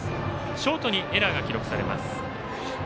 ショートにエラーが記録されます。